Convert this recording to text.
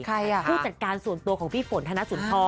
ผู้จัดการส่วนตัวกับพี่ฝนธนาสุนทร